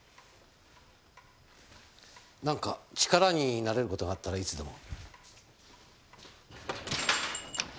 何か力になれる事があったらいつでも。